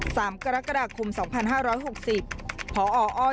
สามกรกฎาคมสองพันห้าร้อย